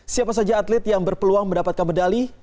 siapa saja atlet yang berpeluang mendapatkan medali